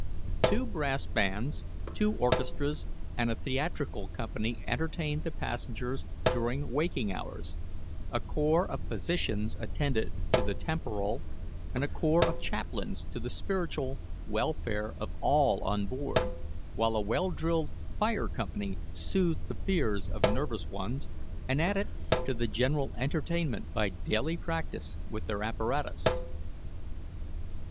Two brass bands, two orchestras, and a theatrical company entertained the passengers during waking hours; a corps of physicians attended to the temporal, and a corps of chaplains to the spiritual, welfare of all on board, while a well drilled fire company soothed the fears of nervous ones and added to the general entertainment by daily practice with their apparatus.